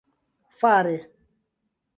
fare